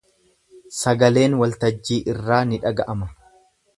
Sagaleen waltajjii irraa ni dhaga’ama.